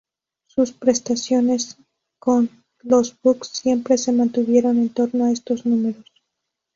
Sus prestaciones con los Bucks siempre se mantuvieron en torno a estos números.